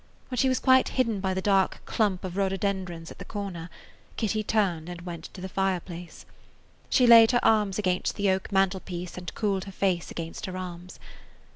When she was quite hidden by the dark clump of rhododendrons at the corner, Kitty turned and went to the fireplace. She laid her arms against the oak mantel piece and cooled her face against her arms.